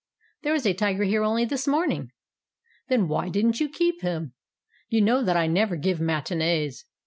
"There was a tiger here only this morning." "Then why didn't you keep him? You know that I never give matinees.